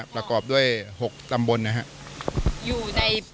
ประกอบด้วย๖ตำบลนะครับ